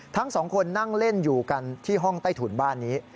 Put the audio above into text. ทั้งสองคนนั่งเล่นอยู่กันที่ห้องใต้ถุนบ้านนี้